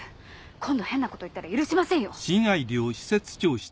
今度変なこと言ったら許しませんよ！